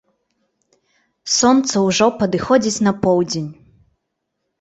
Сонца ўжо падыходзіць на поўдзень.